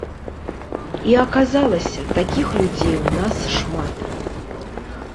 І аказалася, такіх людзей у нас шмат.